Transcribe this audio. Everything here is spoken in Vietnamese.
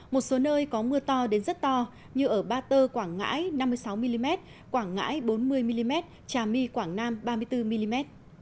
một số nơi có mưa to đến rất to như ở ba tơ quảng ngãi năm mươi sáu mm quảng ngãi bốn mươi mm trà my quảng nam ba mươi bốn mm